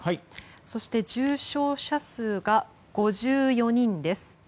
そして重症者数が５４人です。